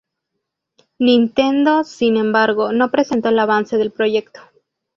Nintendo sin embargo no presentó el avance del proyecto.